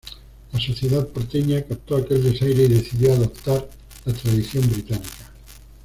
La sociedad porteña captó aquel desaire y decidió adoptar la tradición británica.